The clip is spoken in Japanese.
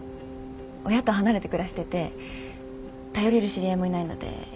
親と離れて暮らしてて頼れる知り合いもいないので一人で。